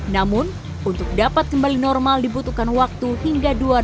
namun untuk dapat kembali normal dibutuhkan waktu hingga dua ribu dua puluh dua mendatang